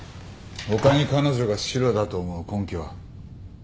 他に彼女がシロだと思う根拠は？